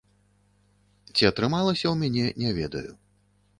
Ці атрымалася ў мяне, не ведаю.